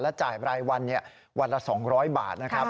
และจ่ายบรรยายวันวันละ๒๐๐บาท